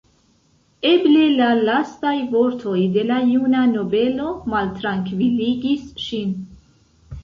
Eble la lastaj vortoj de la juna nobelo maltrankviligis ŝin.